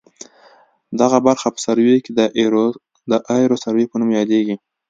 دغه برخه په سروې کې د ایروسروې په نوم یادیږي